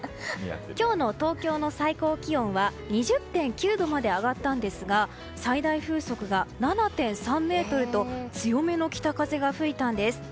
今日の東京の最高気温は２０．９度まで上がったんですが最大風速が７．３メートルと強めの北風が吹いたんです。